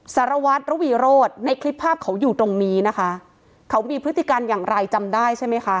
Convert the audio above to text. สารวัตรระวีโรธในคลิปภาพเขาอยู่ตรงนี้นะคะเขามีพฤติการอย่างไรจำได้ใช่ไหมคะ